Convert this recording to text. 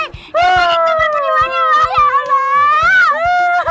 ini cuma penyumanya mbak ya allah